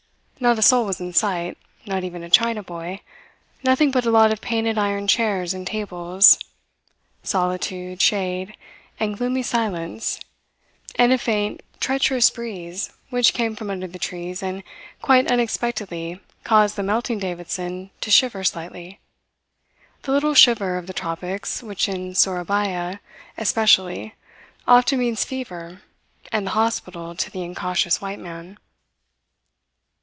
Not a soul was in sight, not even a China boy nothing but a lot of painted iron chairs and tables. Solitude, shade, and gloomy silence and a faint, treacherous breeze which came from under the trees and quite unexpectedly caused the melting Davidson to shiver slightly the little shiver of the tropics which in Sourabaya, especially, often means fever and the hospital to the incautious white man.